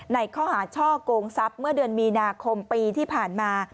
ในข้อหาช่อกงทรัพย์เมื่อเดือนมีนาคมปีที่ผ่านมา